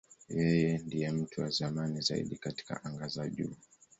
Yeye ndiye mtu wa zamani zaidi katika anga za juu.